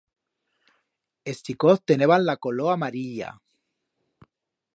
Es chicoz teneban la color amarilla.